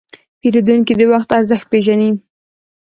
پیرودونکی د وخت ارزښت پېژني.